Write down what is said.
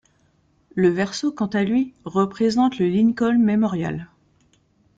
Le verso quant à lui représente le Lincoln Memorial.